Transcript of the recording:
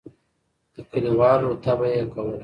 د کلیوالو طبعه یې کوله.